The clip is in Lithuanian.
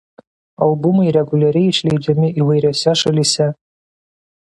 Albumai reguliariai išleidžiami įvairiose šalyse.